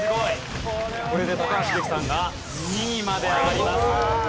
これで高橋英樹さんが２位まで上がります。